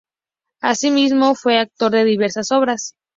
Asimismo, fue autor de diversas obras.